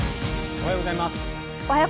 おはようございます。